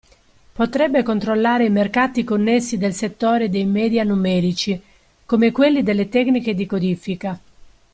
Potrebbe controllare i mercati connessi del settore dei media numerici, come quelli delle tecniche di codifica.